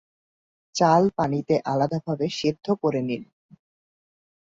চাল পানিতে আলাদাভাবে সেদ্ধ করে নিন।